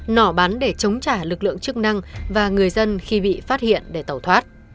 nỏ bắn để chống trả lực lượng chức năng và người dân khi bị phát hiện để tẩu thoát